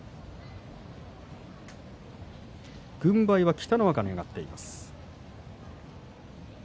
軍配は北の若に上がっています。